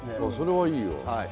それはいいわ。